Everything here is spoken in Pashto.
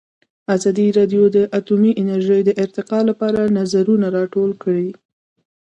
ازادي راډیو د اټومي انرژي د ارتقا لپاره نظرونه راټول کړي.